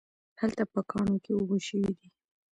هلته په کاڼو کې اوبه شوي دي